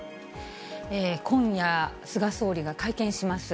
今夜、菅総理が会見します。